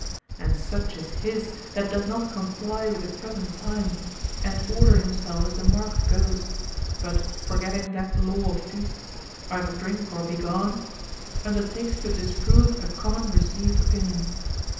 And such is his that does not comply with the present time "and order himself as the market goes," but forgetting that law of feasts, "either drink or begone," undertakes to disprove a common received opinion.